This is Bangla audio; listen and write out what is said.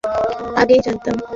আমি আগেই জানতাম।